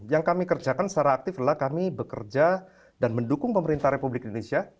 yang kami kerjakan secara aktif adalah kami bekerja dan mendukung pemerintah republik indonesia